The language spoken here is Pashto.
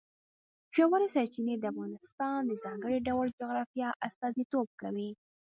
ژورې سرچینې د افغانستان د ځانګړي ډول جغرافیه استازیتوب کوي.